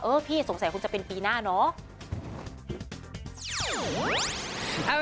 พี่สงสัยคงจะเป็นปีหน้าเนาะ